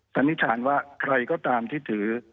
สันนิษฐานว่าใครก็ตามที่ถือ